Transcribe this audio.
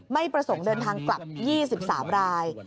ไม่ประสงค์เดินทางกลับ๒๓ราย